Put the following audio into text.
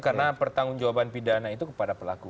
karena pertanggung jawaban pidana itu kepada pelaku